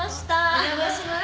お邪魔します。